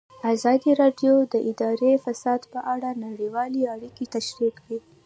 ازادي راډیو د اداري فساد په اړه نړیوالې اړیکې تشریح کړي.